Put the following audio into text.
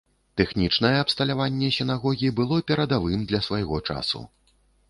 Тэхнічнае абсталяванне сінагогі было перадавым для свайго часу.